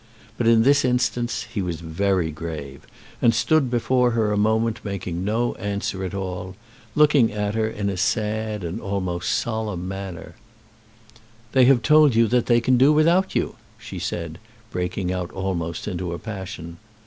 But in this instance he was very grave, and stood before her a moment making no answer at all, looking at her in a sad and almost solemn manner. "They have told you that they can do without you," she said, breaking out almost into a passion.